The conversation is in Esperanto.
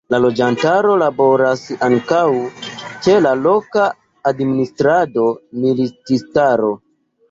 La loĝantoj laboras ankaŭ ĉe la loka administrado, militistaro.